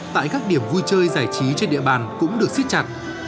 tại các điểm vui chơi giải trí trên địa bàn cũng được xiết chặt